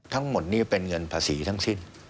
ทั้งหมดนี้เป็นเงินภาษีทั้งสิ้น